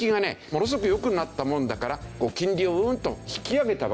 ものすごく良くなったもんだから金利をうんと引き上げたわけですね。